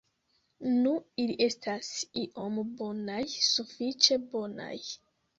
Nu, ili estas iom bonaj, sufiĉe bonaj.